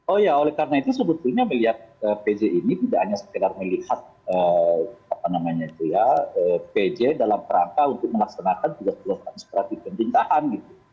oh ya karena itu sebetulnya melihat pj ini tidak hanya sekedar melihat pj dalam perangkah untuk melaksanakan tiga puluh tahun separati pembintahan